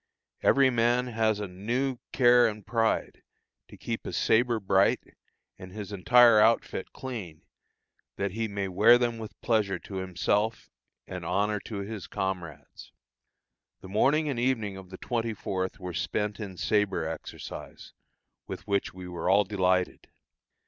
Every man has now a new care and pride to keep his sabre bright, and his entire outfit clean, that he may wear them with pleasure to himself and honor to his comrades. The morning and evening of the 24th were spent in sabre exercise, with which we were all delighted.